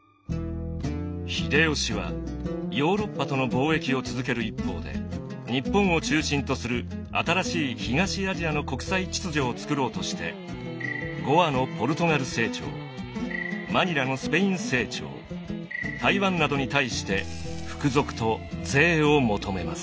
秀吉はヨーロッパとの貿易を続ける一方で日本を中心とする新しい東アジアの国際秩序をつくろうとしてゴアのポルトガル政庁マニラのスペイン政庁台湾などに対して服属と税を求めます。